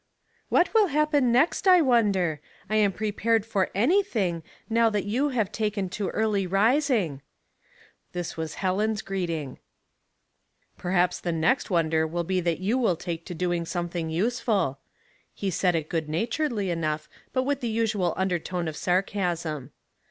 "What will happen next, I wonder? I am lU Light without Logic, 115 prepared for anything^ now that you have taken to early risinG^.'* This was Helen's greeting. "Perhaps the next wonder will be that you will take to doing something useful." He said it good naturedly enough, but with the usual under tone of sarcasm.